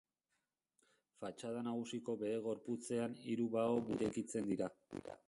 Fatxada nagusiko behe-gorputzean hiru bao burudun irekitzen dira.